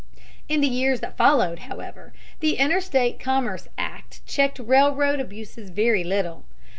In the years that followed, however, the Interstate Commerce Act checked railroad abuses very little.